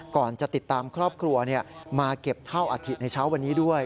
ก่อนจะติดตามครอบครัวมาเก็บเท่าอัฐิในเช้าวันนี้ด้วย